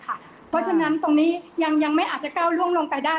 เพราะฉะนั้นตรงนี้ยังไม่อาจจะก้าวล่วงลงไปได้